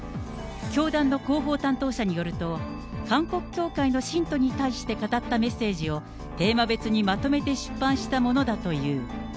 教団の広報担当者によると、韓国教会の信徒に対して語ったメッセージを、テーマ別にまとめて出版したものだという。